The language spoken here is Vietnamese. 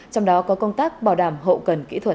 trong đó có công tác bảo đảm hậu cần kỹ thuật